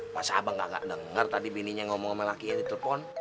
masa abang gak denger tadi bininya ngomong sama laki laki di telepon